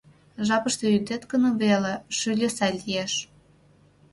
Жапыште ӱдет гын веле, шӱльӧ сай лиеш.